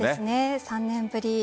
３年ぶり。